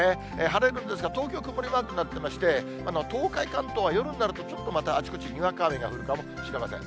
晴れるんですが、東京曇りマークになってまして、東海、関東は夜になるとちょっとまたあちこちにわか雨が降るかもしれません。